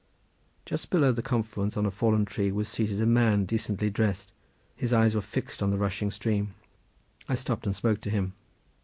Just below the confluence on a fallen tree was seated a man decently dressed; his eyes were fixed on the rushing stream. I stopped and spoke to him.